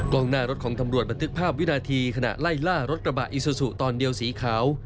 กล้องหน้ารถของตำรวจบันทึกภาพวินาทีขณะไล่ล่ารถกระบะอิซูซูตอนเดียวสีขาว